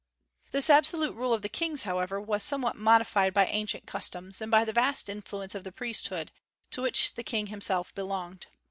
This absolute rule of the kings, however, was somewhat modified by ancient customs, and by the vast influence of the priesthood, to which the King himself belonged.